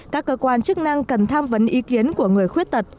các cơ quan chức năng cần tham vấn ý kiến của người khuyết tật